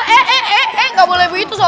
eh eh eh eh ga boleh begitu